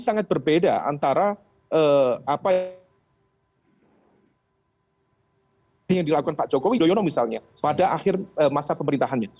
sangat berbeda antara eh apa yang dilakukan pak jokowi misalnya pada akhir masa pemerintahannya